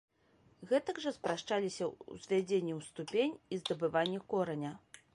Гэтак жа спрашчаліся ўзвядзенне ў ступень і здабыванне кораня.